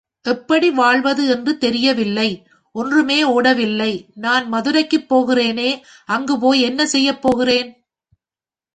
எப்படி வாழ்வது என்றே தெரியவில்லை, ஒன்றுமே ஓடவில்லை, நான் மதுரைக்குப் போகிறேனே அங்கு போய் என்ன செய்ய போகிறேன்?